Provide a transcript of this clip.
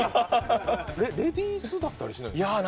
レディースだったりしないですか？